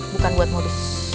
bukan buat modus